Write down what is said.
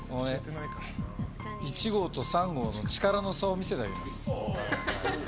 １号と３号の力の差を見せます。